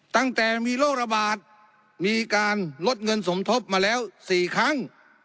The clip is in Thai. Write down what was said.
ตั้งแต่มีโรคระบาดมีการลดเงินสมทบมาแล้ว๔ครั้ง